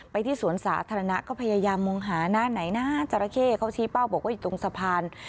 ที่สวนสาธารณะก็พยายามมองหานะไหนนะจราเข้เขาชี้เป้าบอกว่าอยู่ตรงสะพาน